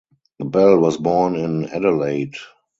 Bell was born in Adelaide.